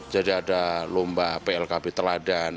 jadi ada lomba plkb teladan